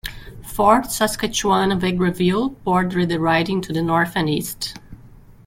Fort Saskatchewan-Vegreville bordered the riding to the north and east.